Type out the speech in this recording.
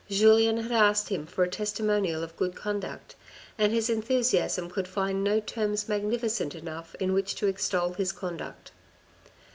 Julien had asked him for a testimonial of good conduct, and his enthusiasm could find no terms magnificent enough in which to extol his conduct.